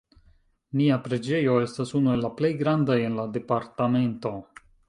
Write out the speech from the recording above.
Nia preĝejo estas unu el la plej grandaj en la departamento.